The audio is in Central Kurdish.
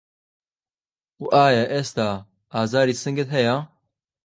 و ئایا ئێستا ئازاری سنگت هەیە؟